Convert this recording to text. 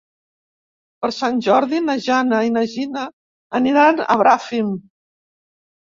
Per Sant Jordi na Jana i na Gina aniran a Bràfim.